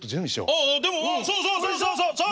ああでもそうそうそうそうそう！